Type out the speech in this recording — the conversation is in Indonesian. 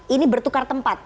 ini bertukar tempat